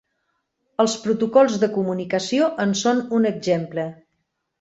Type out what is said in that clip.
Els protocols de comunicació en són un exemple.